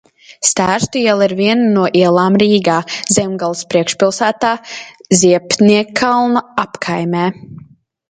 Stērstu iela ir viena no ielām Rīgā, Zemgales priekšpilsētā, Ziepniekkalna apkaimē.